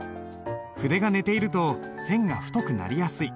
筆が寝ていると線が太くなりやすい。